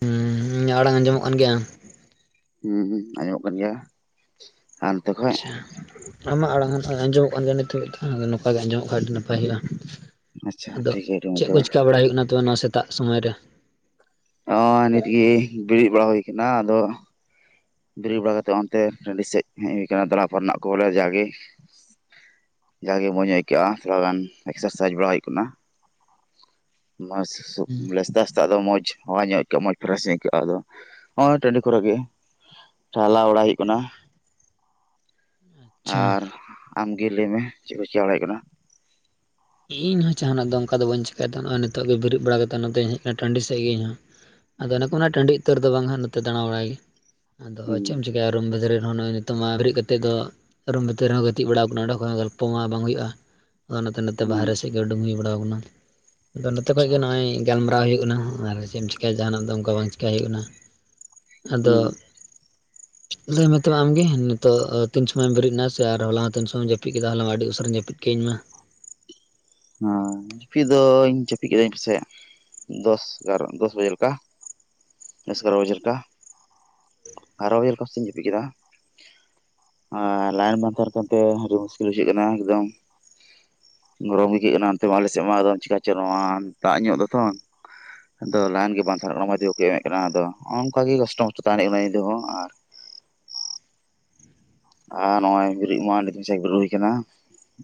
ᱦᱮᱸ, ᱤᱧᱟ ᱟᱲᱟᱝ ᱟᱸᱡᱚᱢᱚᱜ ᱠᱟᱱ ᱜᱮᱭᱟ? ᱦᱩᱸ ᱟᱸᱡᱚᱢᱚᱜ ᱠᱟᱱ ᱜᱮᱭᱟ ᱾ ᱟᱪᱪᱷᱟ ᱟᱢᱟᱜ ᱟᱲᱟᱝ ᱟᱸᱡᱚᱢᱚᱜ ᱠᱟᱱ ᱜᱮᱭᱟ ᱱᱤᱛᱚᱜᱼᱼ ᱟᱫᱚ ᱱᱚᱝᱠᱟ ᱜᱮ ᱟᱸᱡᱚᱢᱚᱜ ᱠᱷᱟᱱ ᱟᱹᱰᱤ ᱱᱟᱯᱟᱭ ᱦᱩᱭᱩᱜᱼᱟ, ᱟᱪᱪᱷᱟ ᱟᱫᱚ ᱴᱷᱤᱠ ᱜᱮᱭᱟ ᱟᱹᱰᱤ ᱢᱚᱡᱽ ᱪᱮᱫ ᱠᱚ ᱛᱚᱵᱮ ᱪᱮᱠᱟ ᱵᱟᱲᱟ ᱦᱩᱭᱩᱜ ᱠᱟᱱᱟ? ᱟᱫᱚ ᱱᱚᱣᱟ ᱥᱮᱛᱟᱜ ᱥᱚᱢᱚᱭ ᱨᱮ ᱾ ᱚᱸᱻ ᱱᱤᱛᱜᱮ ᱵᱮᱨᱮᱫ ᱵᱟᱲᱟ ᱦᱩᱭ ᱟᱠᱟᱱᱟ ᱟᱫᱚ ᱵᱮᱨᱮᱫ ᱵᱟᱲᱟ ᱠᱟᱛᱮᱫ ᱚᱱᱛᱮ ᱴᱟᱺᱰᱤ ᱥᱮᱫ ᱦᱮᱡ ᱦᱩᱭ ᱟᱠᱟᱱᱟ [unintelligible] ᱠᱚ ᱵᱚᱞᱮ ᱡᱟᱜᱮ ᱡᱟᱜᱮ ᱢᱚᱸᱡᱽ ᱟᱹᱭᱠᱟᱹᱜᱼᱟ ᱛᱷᱚᱲᱟ ᱜᱟᱱ ᱮᱠᱥᱟᱨᱥᱟᱭᱤᱡᱽ ᱵᱟᱲᱟ ᱦᱩᱭᱩᱜ ᱠᱟᱱᱟ, ᱢᱟᱥ [unintelligible] ᱵᱚᱞᱮ ᱥᱮᱥᱛᱟ ᱥᱮᱥᱛᱟ ᱫᱚ ᱢᱚᱸᱡᱽ ᱦᱟᱣᱟ ᱧᱚᱜ ᱟᱹᱭᱠᱟᱹᱜᱼᱟ ᱢᱚᱸᱡᱽ ᱯᱷᱨᱮᱥ ᱧᱚᱜ ᱟᱹᱭᱠᱟᱹᱜᱼᱟ ᱟᱫᱚ ᱱᱚᱜᱼᱚᱭ ᱴᱟᱺᱰᱤ ᱠᱚᱨᱮ ᱜᱮ, ᱴᱟᱦᱞᱟ ᱵᱚᱲᱟᱜ ᱦᱩᱭᱩᱜ ᱠᱟᱱᱟ, ᱟᱪᱪᱷᱟ ᱟᱨ ᱟᱢᱜᱮ ᱞᱟᱹᱭᱢᱮ, ᱪᱮᱫ ᱠᱚ ᱪᱮᱠᱟ ᱵᱟᱲᱟ ᱦᱩᱭᱩᱜ ᱠᱟᱱᱟ? ᱤᱧ ᱦᱚᱸ ᱡᱟᱦᱟᱱᱟᱜ ᱫᱚ ᱳᱝᱠᱟ ᱫᱚ ᱵᱟᱹᱧ ᱪᱠᱟᱭᱮᱫ ᱛᱟᱦᱮ ᱱᱚ ᱱᱤᱛᱚᱜ ᱜᱮ ᱵᱮᱨᱮᱫ ᱵᱟᱲᱟ ᱠᱟᱛᱮᱫ ᱱᱚᱛᱮᱧ ᱦᱮᱡ ᱱᱟ ᱴᱟᱺᱰᱤ ᱥᱮᱫ ᱜᱮ ᱤᱧ ᱦᱚᱸ, ᱟᱫᱚ ᱚᱱᱮ ᱠᱚ ᱢᱮᱱᱟ ᱴᱟᱺᱰᱤ ᱩᱛᱟᱹᱨ ᱫᱚ ᱵᱟᱝ ᱦᱜ ᱱᱚᱛᱮ ᱫᱟᱬᱟ ᱵᱟᱲᱟᱭ ᱜᱮ, ᱟᱫᱚ ᱦᱩᱸ ᱪᱮᱫ ᱮᱢ ᱪᱤᱠᱠᱟᱭᱟ ᱨᱩᱢ ᱵᱷᱤᱛᱨᱤ ᱨᱮᱦᱚ ᱱᱚᱜᱼᱚᱭ ᱛᱚᱢᱟ ᱵᱮᱨᱮᱫ ᱠᱟᱛᱮᱫ ᱫᱚ ᱨᱩᱢ ᱵᱷᱤᱛᱤᱨ ᱨᱮᱦᱚᱸ ᱜᱤᱛᱮᱜ ᱵᱟᱲᱟᱣ ᱟᱠᱟᱱᱟ ᱚᱸᱰᱮ ᱠᱷᱚᱱᱚᱸ ᱜᱚᱞᱯᱚ ᱢᱟ ᱵᱟᱝ ᱦᱩᱭᱩᱜᱼᱟ ᱚᱱᱟ ᱛᱮ ᱦᱩᱸ ᱵᱟᱨᱦᱮ ᱥᱮᱫ ᱜᱮ ᱩᱰᱩᱜ ᱦᱩᱭ ᱵᱟᱲᱟᱣ ᱟᱠᱟᱱᱟ ᱟᱫᱚ ᱱᱚᱛᱮ ᱠᱷᱚᱡ ᱟᱪᱪᱷᱟ ᱜᱮ ᱱᱚᱜᱼᱚᱭ ᱜᱟᱞᱢᱟᱨᱟᱣ ᱦᱩᱭᱩᱜ ᱠᱟᱱᱟ ᱟᱨ ᱪᱮᱫ ᱮᱢ ᱪᱮᱟᱭᱟ ᱡᱟᱦᱟᱱᱟᱜ ᱫᱚ ᱚᱱᱠᱟ ᱵᱟᱝ ᱪᱮᱠᱟᱹᱭ ᱦᱩᱭᱩᱜ ᱠᱟᱱᱟ, ᱟᱫᱚ ᱦᱩᱸ ᱞᱟᱹᱭᱢᱮ ᱛᱚᱵᱮ ᱟᱢᱜᱮ ᱱᱤᱛᱚᱜ ᱛᱤᱱ ᱥᱚᱢᱚᱭᱮᱢ ᱵᱮᱨᱮᱫ ᱮᱱᱟ ᱥᱮ ᱟᱨ ᱦᱚᱞᱟ ᱦᱚᱸ ᱛᱤᱱ ᱥᱚᱢᱚᱭᱮᱢ ᱡᱟᱹᱯᱤᱫ ᱠᱮᱫᱟ ᱦᱚᱞᱟ ᱢᱟ ᱟᱹᱰᱤ ᱩᱥᱟᱹᱨᱟᱧ ᱡᱟᱹᱯᱤᱫ ᱠᱮ ᱤᱧ ᱢᱟ ᱾ ᱦᱮᱸ, ᱡᱟᱹᱯᱤᱫ ᱫᱚᱧ ᱡᱟᱹᱯᱤᱫ ᱠᱮᱫᱤᱫᱟᱹᱧ ᱯᱟᱥᱮᱫ ᱫᱚᱥ ᱮᱜᱟᱨᱚ, ᱫᱚᱥ ᱵᱟᱡᱮ ᱞᱮᱠᱟ ᱫᱚᱥ ᱮᱜᱟᱨᱚ ᱵᱟᱡᱮ ᱞᱮᱠᱟ, ᱵᱟᱨᱚ ᱵᱟᱡᱟᱨ ᱠᱟᱥᱛᱮᱧ ᱡᱤᱯᱤᱫ ᱠᱮᱫᱟ [inaudible] ᱟᱨ ᱞᱟᱭᱤᱱ ᱵᱟᱝ ᱛᱟᱦᱮᱸᱱ ᱠᱟᱱᱛᱮ ᱟᱹᱰᱤ ᱢᱩᱥᱠᱤᱞ ᱵᱩᱷᱟᱹᱜ ᱠᱟᱱᱟ ᱮᱠᱫᱚᱢ ᱜᱚᱨᱚᱢ ᱟᱹᱭᱠᱟᱹᱜ ᱠᱟᱱᱟ ᱟᱱᱛᱮ ᱟᱞᱮ ᱥᱮᱫ ᱢᱟ ᱪᱟᱠᱟᱪ ᱱᱚᱣᱟ ᱫᱟᱜ ᱧᱚᱜ ᱫᱚᱛᱚ, ᱟᱫᱚ ᱞᱟᱭᱤᱱ ᱜᱮ ᱵᱟᱝ ᱛᱟᱦᱮᱸ ᱠᱟᱱᱟ ᱢᱟᱫᱤ ᱵᱟ ᱠᱚ ᱮᱢᱮᱫ ᱠᱟᱱᱟ ᱟᱫᱚ ᱱᱚᱜ ᱱᱚᱝᱠ ᱜᱮ ᱠᱚᱥᱴᱚ ᱢᱚᱥᱴᱚ ᱛᱟᱦᱮᱸ ᱠᱟᱱᱟ ᱱᱤᱫᱟᱹ ᱦᱚᱸ ᱟᱨ ᱟᱨ ᱱᱚᱜ ᱚᱭ ᱵᱮᱨᱮᱫ ᱢᱟ ᱟᱹᱰᱤ ᱥᱮᱛᱟᱜ ᱨᱮ ᱵᱮᱨᱮᱫ ᱦᱩᱭ ᱟᱠᱟᱱᱟ,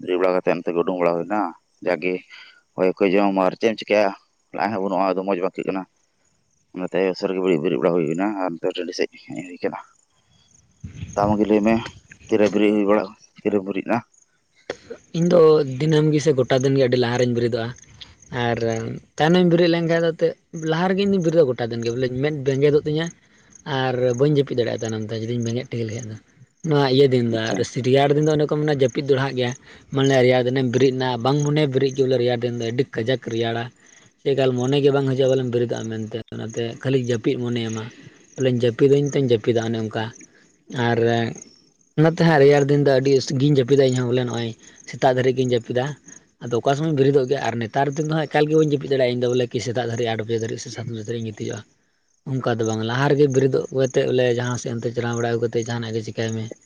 ᱵᱮᱨᱮᱫ ᱵᱟᱲᱟ ᱠᱟᱛᱮ ᱚᱱᱛᱮ ᱜᱮ ᱩᱰᱩᱝ ᱵᱟᱲᱟ ᱦᱩᱭᱱᱟ ᱡᱟᱜᱮ ᱦᱳᱭ ᱠᱚ ᱡᱚᱢ ᱟᱨ ᱪᱮᱫ ᱮᱢ ᱪᱤᱠᱟᱭᱟ ᱞᱟᱭᱤᱱ ᱦᱚᱸ ᱵᱟᱹᱱᱩᱜᱼᱟ ᱟᱫᱚ ᱢᱚᱡᱽ ᱵᱟᱝ ᱵᱩᱡᱷᱟᱹᱜ ᱠᱟᱱᱟ, ᱚᱱᱟᱛᱮ ᱩᱥᱟᱹᱨᱮ ᱜᱮ [unintelligible] ᱵᱮᱨᱮᱫ ᱵᱟᱲᱟ ᱦᱩᱭ ᱮᱱᱟ ᱟᱨ ᱱᱚᱛᱮ ᱴᱟᱺᱰᱤ ᱥᱮᱫ ᱦᱮᱡ ᱦᱩᱭ ᱟᱠᱟᱱᱟ, ᱫᱟᱢ ᱜᱮ ᱞᱟᱹᱭ ᱢᱮ ᱛᱤᱨᱟᱹ ᱵᱮᱨᱮᱜ ᱦᱩᱭ ᱵᱟᱲ ᱛᱤᱨᱮᱢ ᱵᱮᱨᱮᱫ-ᱟ ᱾ ᱤᱧᱫᱚ ᱫᱤᱱᱟᱹᱢ ᱜᱮ ᱥᱮ ᱜᱚᱴᱟ ᱫᱤᱱᱜᱮ ᱟᱹᱰᱤ ᱞᱟᱦᱟᱨᱮᱤᱧ ᱵᱮᱨᱮᱫᱚᱜᱼᱟ ᱾ ᱟᱨ ᱛᱟᱭᱱᱚᱢᱤᱧ ᱵᱮᱨᱮᱫ ᱞᱮᱱᱠᱟᱱ ᱮᱱᱮᱫ ᱞᱟᱦᱟ ᱨᱮᱜᱮ ᱤᱧᱫᱚᱩ ᱵᱮᱨᱮᱫᱚᱜᱫᱟ ᱜᱚᱴᱟ ᱫᱤᱱᱜᱮ ᱵᱚᱞᱮ ᱢᱮᱫ ᱵᱮᱸᱜᱮᱫᱚᱜ ᱛᱤᱧᱟ ᱾ ᱟᱨ ᱵᱟᱹᱧ ᱡᱟᱹᱯᱤᱫ ᱫᱟᱲᱮᱭᱟᱜᱼᱟ ᱛᱟᱭᱱᱚᱢ ᱛᱮ ᱡᱩᱫᱤᱧ ᱵᱮᱸᱜᱮᱫ ᱴᱷᱤᱠᱟᱹ ᱞᱮᱠᱟᱱᱡ ᱫᱚ ᱾ ᱱᱚᱣᱟ ᱤᱭᱟᱹ ᱫᱤᱱ ᱫᱚ ᱟᱪᱪᱷᱟ ᱟᱨ ᱥᱤᱨᱭᱟᱲ ᱫᱤᱱ ᱫᱚ ᱚᱱᱮ ᱠᱚ ᱢᱮᱱᱟ ᱡᱟᱹᱯᱤᱫ ᱫᱚᱲᱦᱟᱜ ᱜᱮᱭᱟ ᱾ ᱢᱟᱱᱮ ᱨᱮᱭᱟᱲ ᱫᱤᱱᱮᱢ ᱵᱮᱨᱮᱫ ᱮᱱᱟ ᱵᱟᱝ ᱢᱚᱱᱮ ᱵᱮᱨᱮᱫ ᱠᱮᱫ ᱵᱚᱞᱮ ᱨᱮᱭᱟᱲ ᱫᱤᱱ ᱫᱚ ᱟᱹᱰᱤ ᱠᱟᱡᱟᱠ ᱨᱮᱭᱟᱲᱟ ᱾ ᱮᱠᱟᱞ ᱢᱚᱱᱮ ᱜᱮ ᱵᱟᱝ ᱦᱤᱡᱩᱜᱼᱟ ᱵᱟᱚᱞᱮᱢ ᱵᱮᱨᱮᱫᱚᱜᱼᱟ ᱢᱮᱱᱛᱮ ᱚᱱᱟᱛᱮ ᱠᱷᱟᱹᱞᱤ ᱡᱟᱹᱯᱤᱫ ᱢᱚᱱᱮᱭᱢᱟ ᱾ ᱵᱚᱞᱮ ᱡᱟᱹᱯᱤᱫᱟᱹᱧ ᱛᱚᱧ ᱡᱟᱹᱯᱤᱫᱟ ᱚᱱᱮ ᱚᱱᱠᱟ᱾ ᱟᱨ ᱚᱱᱟᱛᱮ ᱦᱟᱸᱜ ᱨᱮᱭᱟᱲ ᱫᱤᱱ ᱫᱚ ᱟᱹᱰᱤ ᱜᱮᱤᱧ ᱡᱟᱹᱯᱤᱫᱟ ᱤᱧᱦᱚᱸ ᱵᱚᱞᱮ ᱱᱚᱜᱼᱚᱭ ᱥᱮᱛᱟᱜ ᱫᱷᱟᱹᱨᱤᱡ ᱜᱮᱧ ᱡᱟᱹᱯᱤᱫᱟ ᱾ ᱟᱫᱚ ᱚᱠᱟ ᱥᱚᱢᱚᱭ ᱵᱮ ᱵᱤᱨᱮᱫᱚᱜ ᱜᱮ ᱟᱨ ᱱᱮᱛᱟᱨ ᱫᱤᱱ ᱫᱚ ᱦᱟᱸᱜ ᱮᱠᱟᱞ ᱜᱮ ᱵᱟᱹᱧ ᱡᱟᱯᱤᱫ ᱫᱟᱲᱭᱟᱜ ᱤᱧ ᱵᱚᱞᱮ ᱥᱮᱟᱜ ᱫᱷᱟᱹᱨ ᱟᱴ ᱵᱟᱡᱮ ᱫᱟᱹᱨᱡ ᱥᱮ ᱥᱟᱛ ᱰᱟᱡᱮ ᱫᱷᱟᱹᱨᱤᱡ ᱤᱧ ᱜᱤᱛᱤᱡᱚᱜᱼᱟ ᱾ ᱚᱱᱠᱟ ᱫᱚ ᱵᱟᱝ ᱞᱟᱦᱟ ᱨᱮᱜᱮ ᱵᱮᱨᱮᱫᱚᱜ ᱠᱟᱛᱮᱜ ᱵᱚᱞᱮ ᱡᱟᱦᱟᱸ ᱥᱮᱜ ᱚᱱᱛᱮ ᱪᱟᱞᱟᱣ ᱵᱟᱲᱟ ᱟᱹᱜᱩ ᱠᱟᱛᱮᱮᱫ ᱡᱟᱦᱟᱱᱟᱜ ᱜᱮ ᱪᱮᱟᱹᱭ ᱢᱮ ᱾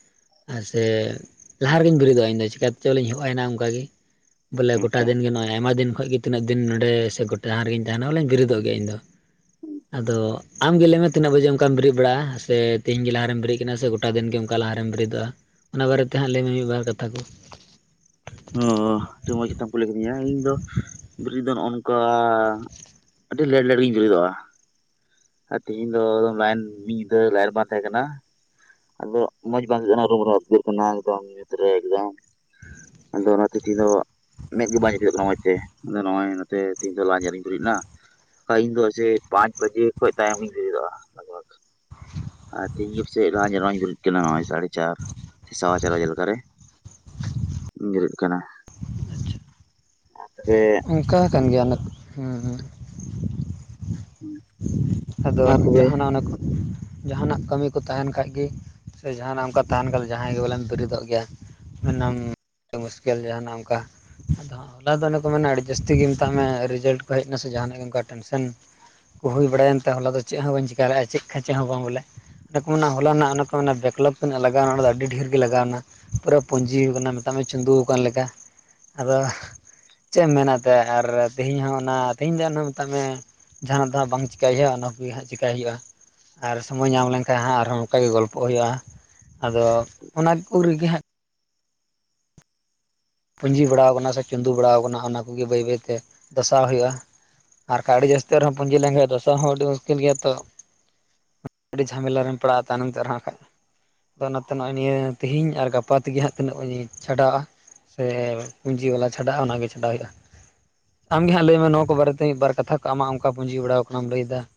ᱟᱨ ᱥᱮ ᱞᱟᱦᱟ ᱨᱮᱜᱮᱧ ᱵᱮᱨᱮᱫᱚᱜᱼᱟ ᱤᱧᱫᱚ ᱪᱮᱠᱟᱛᱮ ᱪᱚᱞᱤᱧ ᱮᱦᱚᱱᱟ ᱚᱱᱠᱟ ᱜᱮ ᱵᱚᱞᱮ ᱜᱚᱴᱟ ᱟᱪᱪᱷᱟ ᱫᱤᱱᱜ ᱱᱚᱜᱼᱚᱭ ᱟᱭᱢᱟ ᱫᱤᱱ ᱠᱷᱚᱱ ᱜᱮ ᱛᱤᱱᱟᱹᱜ ᱫᱤᱱ ᱱᱚᱰᱮ ᱥᱮ ᱜᱚᱴᱟ ᱡᱟᱸᱦᱟ ᱨᱮᱜᱮᱧ ᱛᱟᱦᱮᱱᱟ ᱵᱚᱞᱮᱧ ᱵᱮᱨᱮᱫᱚᱜ ᱜᱮᱭᱟ ᱤᱧᱫᱚ ᱾ ᱟᱫᱚ ᱟᱢᱜᱮ ᱞᱟᱹᱭ ᱢᱮ ᱛᱤᱱᱟᱹᱜ ᱵᱟᱡᱮ ᱚᱝᱠᱟᱢ ᱵᱮᱨᱮᱫ ᱵᱟᱲᱟᱜᱼᱟ, ᱥᱮ ᱛᱮᱦᱮᱧ ᱜᱮ ᱞᱟᱦᱟᱨᱮᱢ ᱵᱮᱨᱮᱫ ᱠᱟᱱᱟᱢ ᱥᱮ ᱜᱚᱴ ᱴᱟ ᱫᱤᱱᱜᱮ ᱚᱱᱠᱟ ᱞᱟᱦᱟᱨᱮᱢ ᱵᱮᱨᱮᱫᱚᱜᱼᱟ, ᱚᱱᱟ ᱵᱟᱨᱮᱛᱮ ᱦᱟᱸᱜ ᱞᱟᱹᱭᱢᱮ ᱢᱤᱫ ᱵᱟᱨ ᱠᱟᱛᱷᱟ ᱠᱚ ᱾ ᱚ ᱟᱹᱰᱤ ᱢᱚᱸᱡᱽ ᱠᱟᱛᱟᱢ ᱠᱩᱞᱤ ᱠᱤᱫᱤᱧᱟ ᱤᱧ ᱫᱚ ᱵᱮᱨᱮᱫ ᱫᱚ ᱱᱚᱜ ᱱᱚᱝᱠᱟ ᱟᱹᱰᱤ ᱞᱮᱴ - ᱞᱮᱴ ᱜᱮᱧ ᱵᱮᱨᱮᱫᱚᱜᱼᱟ ᱾ ᱟᱨ ᱛᱮᱤᱦᱤᱧ ᱫᱚ ᱞᱟᱭᱤᱱ ᱢᱤᱫ ᱧᱤᱫᱟᱹ ᱞᱟᱭᱤᱱ ᱵᱟᱝ ᱛᱟᱦᱮᱸ ᱠᱟᱱᱟ ᱾ ᱟᱫᱚ ᱢᱚᱡᱽ ᱵᱟᱝ [unintelligible] ᱦᱚᱨᱚ ᱵᱚᱨᱚ ᱵᱩᱡᱷᱟᱹᱜ ᱮᱠᱫᱚᱢ ᱧᱩᱛ ᱨᱮ ᱮᱠᱫᱚᱢ ᱾ ᱟᱫᱚ ᱚᱱᱟ ᱛᱤᱛᱷᱤ ᱫᱚ ᱢᱮᱫᱜ ᱜᱮ ᱵᱧ ᱩᱤᱫᱚᱜ ᱠᱟᱱᱟ ᱢᱚᱸᱡᱽ ᱛᱮ ᱟᱫᱚ ᱱᱚᱜ ᱚᱭ ᱱᱚᱛᱮ ᱛᱮᱦᱧ ᱫᱚ ᱞᱟ ᱧᱮᱞᱤᱧ ᱫᱩᱨᱩᱤᱡ ᱞᱮᱱᱟ [unintelligible] ᱠᱟᱡ ᱤᱧ ᱫᱚ ᱡᱮ ᱯᱟᱸᱪ ᱵᱟᱡᱮ ᱠᱷᱚᱭᱚᱡ ᱛᱟᱭᱚᱢ ᱤᱧ ᱵᱮᱨᱮᱫᱚᱜᱼᱟ ᱞᱟᱜᱵᱷᱟᱜᱽ ᱼᱼ ᱟᱨ ᱛᱮᱦᱤᱧ ᱜᱮ ᱯᱟᱹᱥᱮᱫ ᱡ ᱨ ᱠ ᱥᱟᱲ ᱪᱟᱨ ᱥᱮ ᱥᱣᱟ ᱪᱟᱨ ᱵᱟᱡᱟᱞ ᱠᱷᱟᱨᱮ [inaudible] ᱵᱮᱨᱮᱫ ᱠᱟᱱᱟ ᱟᱪᱪᱷᱟ ᱮ ᱚᱱᱠᱟ ᱠᱟᱱ ᱜᱮᱭᱟᱱᱟ ᱾ ᱟᱫᱚ ᱢᱟ ᱛᱚᱵᱮ ᱡᱟᱦᱟᱸᱱᱟᱜ ᱚᱱᱟ ᱠᱚ ᱡᱟᱦᱟᱸᱱᱟᱜ ᱠᱟᱹᱢᱤ ᱠᱚ ᱛᱟᱦᱮᱸ ᱠᱷᱟᱭᱡ ᱜᱮ ᱥᱮ ᱡᱟᱦᱟᱸᱱᱟᱜ ᱚᱱᱠᱟ ᱛᱟᱦᱮᱸᱱ ᱠᱷᱟᱱ ᱡᱟᱦᱟᱭ ᱜᱮ ᱵᱚᱞᱮᱱ ᱵᱮᱨᱮᱫᱚᱜ ᱜᱮᱭᱟ ᱾ [unintelligible] ᱡᱟᱦᱟᱱᱟᱜ ᱚᱱᱠᱟ ᱟᱫᱚ ᱦᱚᱞᱟ ᱫᱚ ᱚᱱᱮ ᱠᱚ ᱢᱟᱱᱮ ᱟᱹᱰᱤ ᱡᱟᱹᱥᱛᱤ ᱜᱮ ᱢᱮᱛᱟᱜ ᱢᱮ ᱨᱮᱡᱟᱞᱴ ᱠᱚ ᱦᱮᱡ ᱱᱟ ᱥᱮ ᱡᱟᱦᱟᱱᱟᱜ ᱜᱮ ᱚᱱᱠᱟ ᱴᱮᱱᱥᱮᱱ ᱦᱩᱭ ᱵᱟᱲᱟᱭᱮᱱᱛᱮ ᱦᱚᱞᱟ ᱫᱚ ᱪᱮᱫ ᱦᱚᱸ ᱵᱟᱹ ᱪᱤᱠᱟᱨᱮᱼᱟ ᱪᱮᱜ ᱠᱷᱟᱪᱟ ᱦᱚᱸ ᱵᱟᱝ ᱵᱚᱞᱮ ᱾ [unintelligible] ᱵᱮᱠᱞᱚᱯ ᱛᱟᱱᱟᱹ ᱞᱟᱜᱟᱣ ᱮᱱᱟ ᱚᱱᱟ ᱫᱚ ᱟᱹᱰᱤ ᱰᱷᱮᱨ ᱜᱮ ᱞᱟᱜᱟᱣ ᱮᱱᱟ ᱾ ᱯᱩᱨᱟᱹ ᱯᱩᱸᱡᱤ ᱣᱠᱟᱱᱟ ᱢᱮᱛᱟᱜ ᱢᱮ ᱪᱩᱸᱫᱚᱳ ᱟᱠᱟᱱ ᱞᱮᱠᱟ ᱟᱫᱚ ᱪᱮᱫ ᱮᱢ ᱢᱮᱱᱟᱜᱛᱮ ᱟᱨ ᱛᱮᱦᱤᱧ ᱦᱚᱸ ᱚᱱᱟ ᱛᱮᱦᱤᱧ ᱫᱚ ᱮᱱᱦᱚᱸ ᱢᱮᱛᱟᱜ ᱢᱮ ᱡᱟᱦᱟᱱᱟᱜ ᱫᱚ ᱵᱟᱝ ᱪᱤᱠᱟᱹᱭ ᱦᱩᱭᱩᱜᱼᱟ ᱚᱱᱟ ᱠᱚᱮᱜᱮ ᱦᱟᱸᱜ ᱪᱤᱠᱟᱭ ᱦᱩᱭᱩᱜᱼᱟ ᱾ ᱟᱨ ᱥᱚᱢᱚᱭ ᱧᱟᱢ ᱞᱮᱱᱠᱷᱟᱱ ᱦᱟᱸᱜ ᱟᱨᱦᱚᱸ ᱚᱱᱠᱟᱜᱮ ᱜᱚᱞᱯᱚ ᱦᱩᱭᱩᱜᱼᱟ ᱟᱫᱚ ᱚᱱᱟᱠᱚ ᱨᱮᱜᱮ ᱦᱟᱸᱜ ᱯᱩᱸᱡᱤ ᱵᱟᱲᱟᱣ ᱠᱟᱱᱟ ᱥᱮ ᱪᱩᱸᱫᱩ ᱵᱟᱲᱟᱣ ᱠᱟᱱᱟ ᱚᱱᱟ ᱠᱚᱜᱮ ᱵᱟᱹᱭ ᱵᱟᱹᱭ ᱛᱮ ᱫᱟᱥᱟᱣ ᱦᱩᱭᱩᱜᱼᱟ ᱾ ᱟᱨ ᱠᱟᱹᱲᱤ ᱡᱟᱹᱥᱛᱤ ᱨᱮᱦᱚᱸ ᱯᱩᱸᱡᱤ ᱞᱮᱱ ᱠᱷᱟᱡ ᱫᱟᱥᱟᱣ ᱦᱚᱸ ᱟᱹᱰᱤ ᱢᱩᱥᱠᱤᱞ ᱜᱮᱭᱟ ᱛᱚ ᱾ ᱟᱹᱰᱤ ᱡᱷᱟᱢᱮᱞᱟ ᱨᱮᱢ ᱯᱟᱲᱟᱜᱼᱟ ᱛᱟᱭᱱᱚᱢ ᱛᱮ ᱟᱨᱦᱚᱸ ᱠᱷᱟ ᱟᱫᱚ ᱚᱱᱟᱛᱮ ᱱᱚᱜᱼᱚᱭ ᱱᱤᱭᱟᱹ ᱛᱮᱤᱦᱤᱧ ᱟᱨ ᱜᱟᱯᱟ ᱛᱮᱜᱮ ᱦᱟᱸᱜ ᱛᱤᱱᱟᱹᱜ ᱪᱷᱟᱰᱟᱜᱼᱟ ᱾ ᱥᱮ ᱯᱩᱸᱡᱤ ᱣᱟᱞᱟ ᱪᱷᱟᱰᱟᱜᱼᱟ ᱚᱱᱟ ᱜᱮ ᱪᱷᱟᱰᱟᱣ ᱦᱩᱭᱩᱜᱼᱟ ᱾ ᱟᱢᱜᱮ ᱦᱟᱸ ᱞᱟᱹᱭ ᱢᱮ ᱱᱚᱣᱟ ᱠᱚ ᱵᱟᱨᱮᱛᱮ ᱢᱤᱫ ᱵᱟᱨ ᱠᱟᱛᱷᱟ ᱠᱚ ᱟᱢᱟᱜ ᱚᱱᱠᱟ ᱯᱩᱸᱡᱤ ᱵᱟᱲᱟ ᱟᱠᱟᱱᱟᱢ ᱞᱟᱹᱭᱮᱫᱟ ᱾